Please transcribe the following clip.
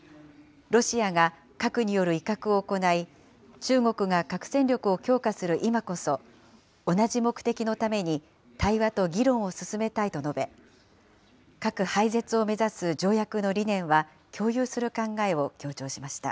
ロシアが核による威嚇を行い、中国が核戦力を強化する今こそ、同じ目的のために対話と議論を進めたいと述べ、核廃絶を目指す条約の理念は共有する考えを強調しました。